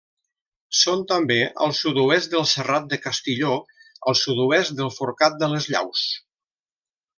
Són també al sud-oest del Serrat de Castilló, al sud-oest del Forcat de les Llaus.